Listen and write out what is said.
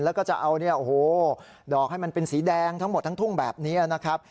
แล้วก็จะเอาเนี่ยโอ้โหดอกให้มันเป็นสีแดงทั้งหมดทั้งทุ่งแบบนี้นะครับ